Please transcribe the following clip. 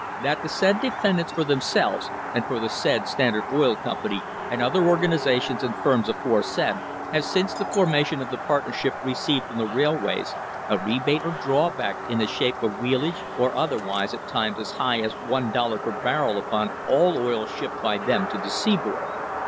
That the said defendants for themselves, and for the said Standard Oil Company, and other organisations and firms aforesaid, have since the formation of the partnership received from the railways a rebate or drawback in the shape of wheelage, or otherwise* at times as high as one dollar per barrel upon all oil shipped by them to the seaboard.